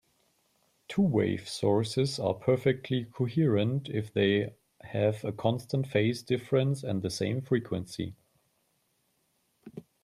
Two-wave sources are perfectly coherent if they have a constant phase difference and the same frequency.